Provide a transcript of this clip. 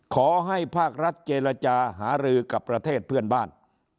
ขอให้ภาครัฐเจรจาหารือกับประเทศเพื่อนบ้าน